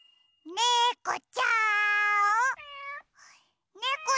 ねこちゃん！